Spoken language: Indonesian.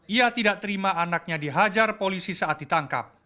ia tidak terima anaknya dihajar polisi saat ditangkap